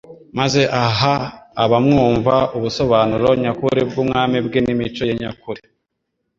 maze aha abamwumva ubusobanuro nyakuri bw'ubwami bwe n' imico ye nyakuri.